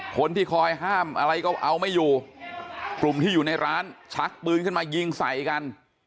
คนที่คอยห้ามอะไรก็เอาไม่อยู่กลุ่มที่อยู่ในร้านชักปืนขึ้นมายิงใส่กัน